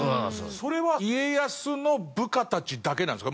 それは家康の部下たちだけなんですか？